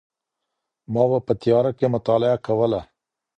ما به په تیاره کي مطالعه کوله.